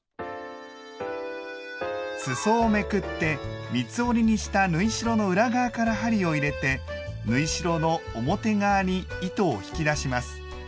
すそをめくって三つ折りにした縫い代の裏側から針を入れて縫い代の表側に糸を引き出します。